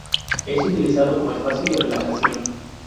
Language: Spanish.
Es utilizado como espacio de relajación.